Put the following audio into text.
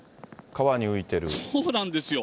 そうなんですよ。